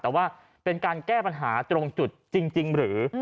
แต่ว่าเป็นการแก้ปัญหาตรงจุดจริงหรือ